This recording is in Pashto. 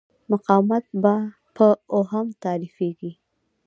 مقاومت په اوهم تعریفېږي.